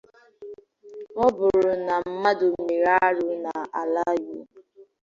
Ọ bụrụ na mmadụ mee arụ n'ala Igbo